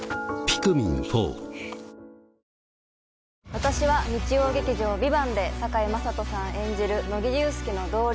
私は日曜劇場「ＶＩＶＡＮＴ」で堺雅人さん演じる乃木憂助の同僚